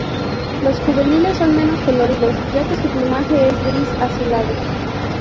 Los juveniles son menos coloridos ya que su plumaje es gris azulado.